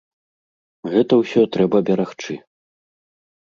Гэта ўсё трэба берагчы!